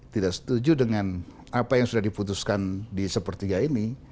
tidak setuju dengan apa yang sudah diputuskan di sepertiga ini